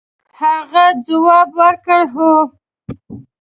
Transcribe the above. هغه ځواب ورکړ هو.